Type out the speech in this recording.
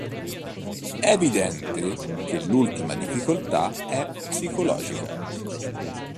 È evidente che l'ultima difficoltà è psicologica.